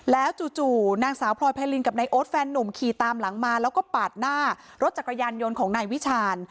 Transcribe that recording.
แล้วจู่นางสาวพลอยไพรินกับนายโอ๊ตแฟนนุ่มขี่ตามหลังมาแล้วก็ปาดหน้ารถจักรยานยนต์ของนายวิชาญ